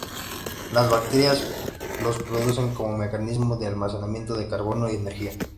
Las bacterias los producen como mecanismo de almacenamiento de carbono y energía.